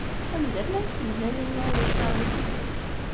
Anda llant tmellalin, ma ulac aɣilif?